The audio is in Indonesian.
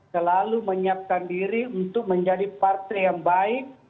selalu menyiapkan diri untuk menjadi partai yang baik